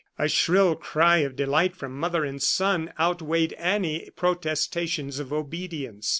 A shrill cry of delight from mother and son outweighed any protestations of obedience.